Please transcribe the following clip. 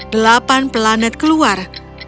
delapan planet keluar